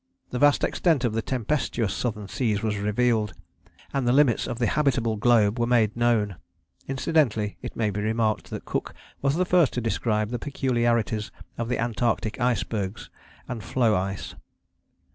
The vast extent of the tempestuous southern seas was revealed, and the limits of the habitable globe were made known. Incidentally it may be remarked that Cook was the first to describe the peculiarities of the Antarctic icebergs and floe ice."